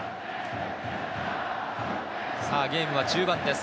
さあ、ゲームは中盤です。